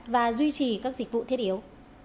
và duy trì các dịch vụ thiết yếu